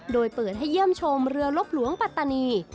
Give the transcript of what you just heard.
โดยเปิดให้เยี่ยมชมเรือลบหลวงปัตตานี